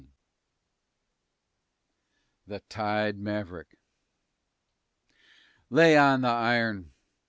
_" THE TIED MAVERICK Lay on the iron!